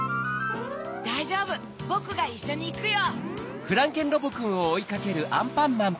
だいじょうぶボクがいっしょにいくよ！